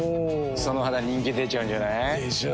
その肌人気出ちゃうんじゃない？でしょう。